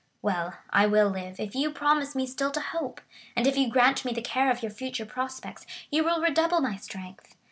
Well, I will live, if you promise me still to hope; and if you grant me the care of your future prospects, you will redouble my strength.